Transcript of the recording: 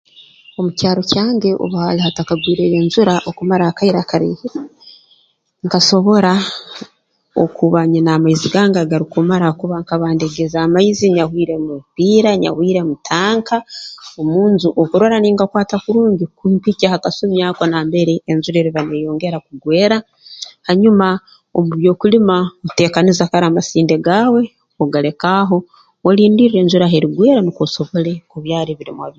Omu kyaro kyange obu haali hatakagwireyo enjura okumara akaire akaraihire nkasobora okuba nyina amaizi gange agarukumara hakuba nkaba ndegeze amaizi nyahwire mu bupiira nyahwire mu tanka omu nju okurora ningakwata kurungi kumpikya ha kasumi ako nambere enjura eriba neeyongera kugwera hanyuma omu by'okulima oteekaniza kara amasinde gaawe ogaleka aho olindirra enjura h'erigwera nukwo osoble kubyara ebirimwa b